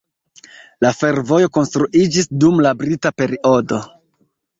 La fervojo konstruiĝis dum la brita periodo.